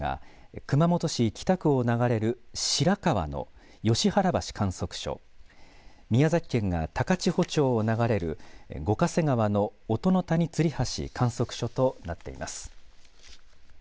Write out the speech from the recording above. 熊本県が熊本市北区を流れる白川の吉原橋観測所、宮崎県が高千穂町を流れる五ヶ瀬川の音の谷吊り橋観測所となっています。